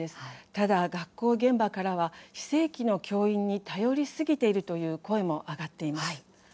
ただ学校現場からは非正規の教員に頼りすぎているという声も上がっています。